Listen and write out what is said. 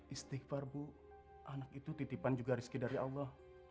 istighfar bu anak itu titipan juga rizki dari allah